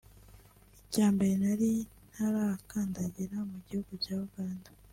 Icyambere nari ntarakandagira mu gihugu cya Uganda